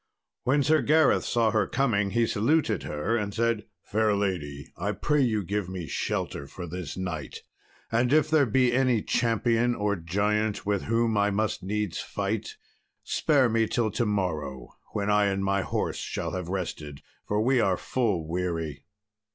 When Sir Gareth saw her coming, he saluted her, and said, "Fair lady, I pray you give me shelter for this night, and if there be here any champion or giant with whom I must needs fight, spare me till to morrow, when I and my horse shall have rested, for we are full weary."